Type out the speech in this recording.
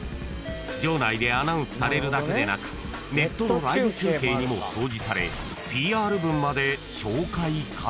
［場内でアナウンスされるだけでなくネットのライブ中継にも表示され］